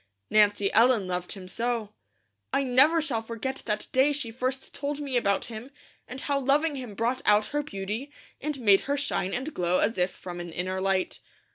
Nancy Ellen loved him so. I never shall forget that day she first told me about him, and how loving him brought out her beauty, and made her shine and glow as if from an inner light.